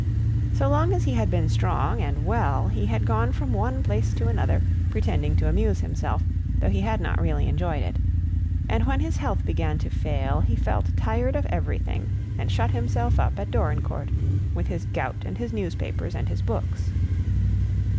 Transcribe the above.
So long as he had been strong and well, he had gone from one place to another, pretending to amuse himself, though he had not really enjoyed it; and when his health began to fail, he felt tired of everything and shut himself up at Dorincourt, with his gout and his newspapers and his books.